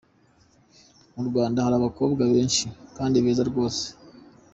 Mu Rwanda hari abakobwa benshi kandi beza rwose.